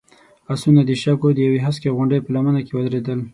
آسونه د شګو د يوې هسکې غونډۍ په لمنه کې ودرېدل.